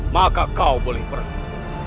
maka kau boleh pergi